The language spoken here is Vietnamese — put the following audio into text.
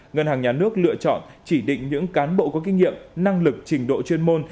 ngân hàng nhà nước lựa chọn chỉ định những cán bộ có kinh nghiệm năng lực trình độ chuyên môn